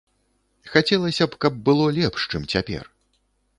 Хацелася б, каб было лепш, чым цяпер.